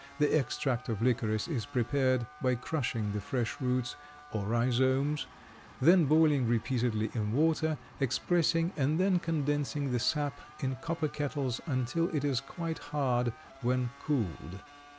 The extract of licorice is prepared by crushing the fresh roots or rhizomes, then boiling repeatedly in water, expressing and then condensing the sap in copper kettles until it is quite hard when cooled.